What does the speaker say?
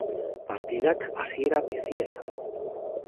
Partidak hasiera bizia izan du.